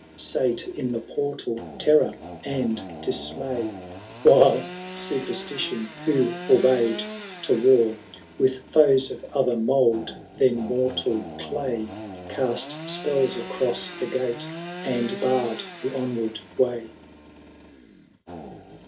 Sate in the portal Terror and Dismay, While Superstition, who forbade to war With foes of other mould than mortal clay. Cast spells across the gate, and barred the onward way.